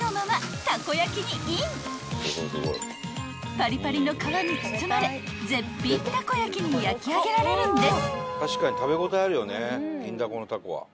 ［パリパリの皮に包まれ絶品たこ焼に焼き上げられるんです］